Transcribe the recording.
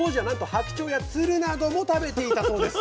白鳥や鶴なども食べていたそうです。